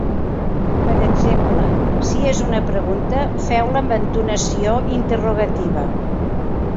Per exemple, si és una pregunta feu-la amb entonació interrogativa.